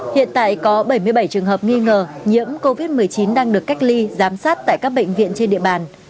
hiện tại có bảy mươi bảy trường hợp nghi ngờ nhiễm covid một mươi chín đang được cách ly giám sát tại các bệnh viện trên địa bàn